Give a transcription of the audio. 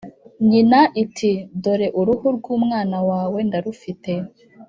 nyina iti ‘dore uruhu rw’umwana wawe ndarufite,